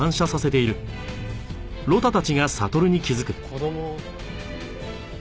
子供。